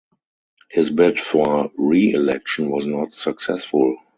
His bid for reelection was not successful.